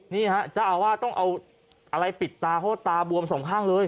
นี่ฮะเจ้าอาวาสต้องเอาอะไรปิดตาเพราะว่าตาบวมสองข้างเลย